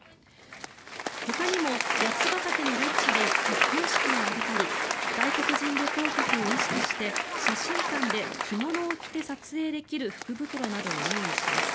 ほかにも八ケ岳のロッジで結婚式を挙げたり外国人旅行客を意識して写真館で着物を着て撮影できる福袋などを用意します。